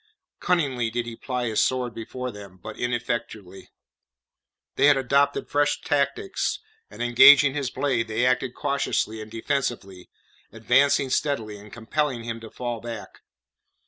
Cunningly did he ply his sword before them, but ineffectually. They had adopted fresh tactics, and engaging his blade they acted cautiously and defensively, advancing steadily, and compelling him to fall back.